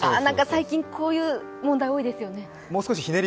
最近、こういう問題多いですよね。